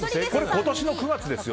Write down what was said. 今年の９月ですよ。